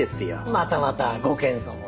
またまたご謙遜を。